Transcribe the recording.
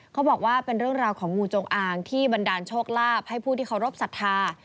เขาบอกว่าเป็นเรื่องราวของงูจงอางที่บันดาลโชคลาภให้ผู้ที่เคารพสัทธา